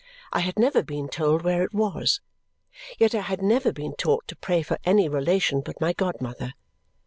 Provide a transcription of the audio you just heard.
I had never been told where it was. Yet I had never been taught to pray for any relation but my godmother.